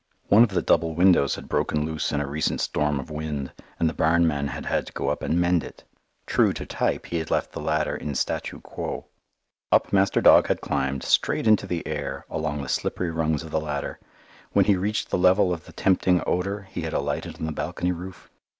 One of the double windows had broken loose in a recent storm of wind, and the barn man had had to go up and mend it. True to type he had left the ladder in statu quo. Up master dog had climbed straight into the air, along the slippery rungs of the ladder. When he reached the level of the tempting odour, he had alighted on the balcony roof.